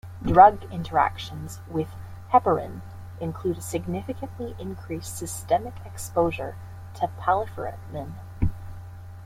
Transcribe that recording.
Drug interactions with Heparin include a significantly increased systemic exposure to Palifermin.